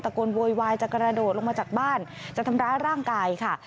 โกนโวยวายจะกระโดดลงมาจากบ้านจะทำร้ายร่างกายค่ะ